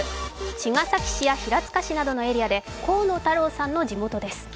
茅ヶ崎市や平塚市などのエリアで河野太郎さんの地元です。